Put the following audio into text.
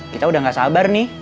kita udah gak sabar nih